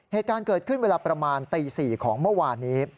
เหตุการณ์เกิดขึ้นเวลาประมาณตี๔ของเมื่อวานนี้